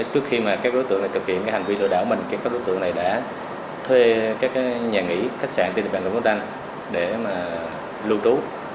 trước khi các đối tượng thực hiện hành vi lừa đảo các đối tượng đã thuê các nhà nghỉ khách sạn tiệm vàng để lưu trú